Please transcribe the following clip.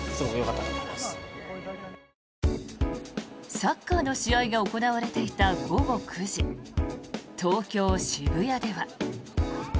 サッカーの試合が行われていた午後９時東京・渋谷では。